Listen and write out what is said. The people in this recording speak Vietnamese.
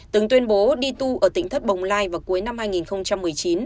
từng tuyên bố đi tu ở tỉnh thất bồng lai vào cuối năm hai nghìn một mươi chín